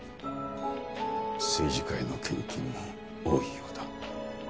政治家への献金も多いようだ。